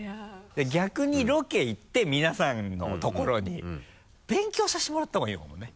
逆にロケ行って皆さんのところに勉強させてもらった方がいいのかもね。